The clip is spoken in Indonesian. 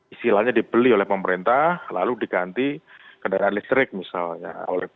istilahnya dibeli oleh pemerintah lalu diganti kendaraan listrik misalnya